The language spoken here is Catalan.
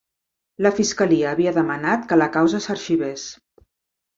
La fiscalia havia demanat que la causa s'arxivés